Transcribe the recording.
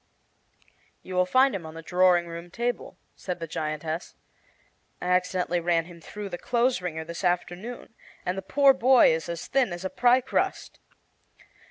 "You will find him on the drawing room table," said the giantess. "I accidently ran him through the clothes wringer this afternoon, and the poor boy is as thin as a pie crust.